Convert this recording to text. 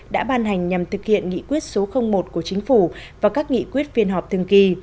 đã ban hành nhằm thực hiện nghị quyết số một của chính phủ và các nghị quyết phiên họp thường kỳ